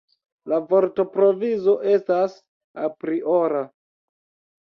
La vortprovizo estas apriora.